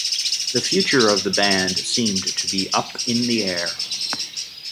The future of the band seemed to be up in the air.